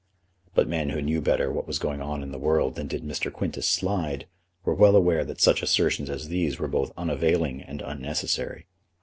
But men who knew better what was going on in the world than did Mr. Quintus Slide, were well aware that such assertions as these were both unavailing and unnecessary.